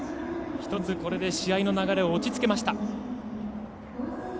１つ、これで試合の流れを落ち着けました。